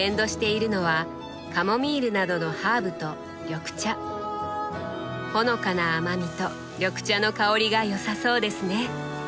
ほのかな甘みと緑茶の香りがよさそうですね。